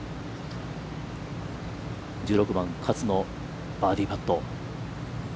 １６番、勝のバーディーパット。